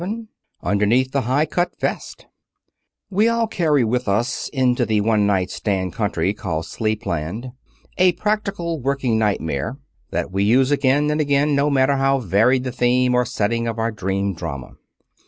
VII UNDERNEATH THE HIGH CUT VEST We all carry with us into the one night stand country called Sleepland, a practical working nightmare that we use again and again, no matter how varied the theme or setting of our dream drama.